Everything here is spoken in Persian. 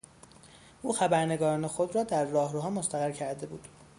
او خبرنگاران خود را در راهروها مستقر کرده بود.